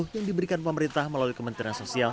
yang diberikan pemerintah melalui kementerian sosial